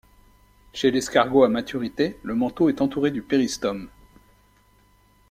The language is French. Chez l'escargot à maturité, le manteau est entouré du péristome.